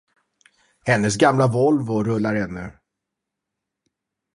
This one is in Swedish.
Hennes gamla Volvo rullar ännu.